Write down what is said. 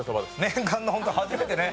念願の、ほんと初めてね。